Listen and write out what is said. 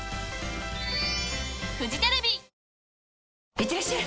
いってらっしゃい！